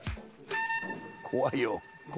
怖いよ。